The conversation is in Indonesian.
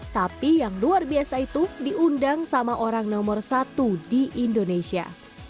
tapi yang luar biasa itu diundang sama orang nomor satu di indonesia